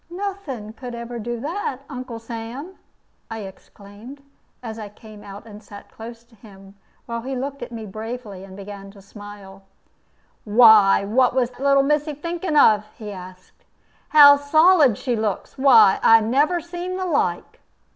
"Nothing could ever do that, Uncle Sam," I exclaimed, as I came and sat close to him, while he looked at me bravely, and began to smile. "Why, what was little missy thinking of?" he asked. "How solid she looks! Why, I never see the like!"